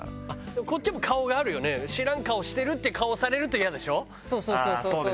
こっちも顔があるよね、知らん顔してる顔ってされると嫌そうそうそう。